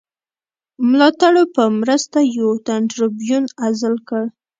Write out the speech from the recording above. ملاتړو په مرسته یو تن ټربیون عزل کړ.